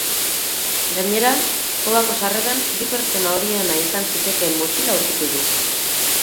Gainera, kobako sarreran bi pertsona horiena izan zitekeen motxila aurkitu du.